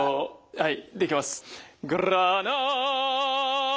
はい。